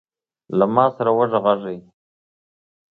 له ما سره وغږیږﺉ .